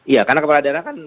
iya karena kepala daerah kan